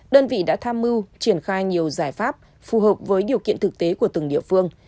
đơn vị đã tham mưu triển khai nhiều giải pháp phù hợp với điều kiện thực tế của từng địa phương